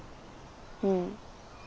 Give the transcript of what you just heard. うん。